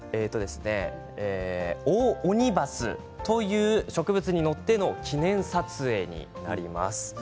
オオオニバスという植物に乗っての記念撮影になります。